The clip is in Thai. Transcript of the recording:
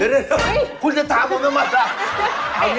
เดี๋ยวคุณจะถามผมทำไมล่ะ